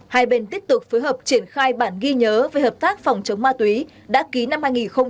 hai bên tiếp tục phối hợp triển khai bản ghi nhớ về hợp tác phòng chống ma túy đã ký năm hai nghìn một mươi tám